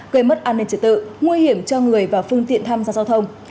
gây mất an ninh trật tự nguy hiểm cho người và phương tiện tham gia giao thông